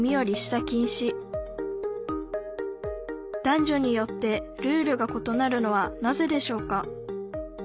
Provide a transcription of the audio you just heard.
男女によってルールがことなるのはなぜでしょうか？